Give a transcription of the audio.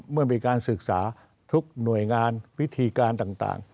เมื่อมีการศึกษาทุกหน่วยงานวิธีการต่าง